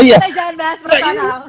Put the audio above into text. kita jangan bahas perusahaan